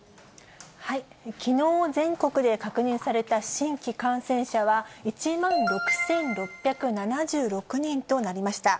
きのう、全国で確認された新規感染者は、１万６６７６人となりました。